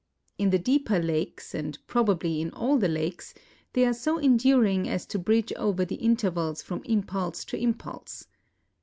In the deeper lakes, and probably in all the lakes, they are so enduring as to bridge over the intervals from impulse to impulse.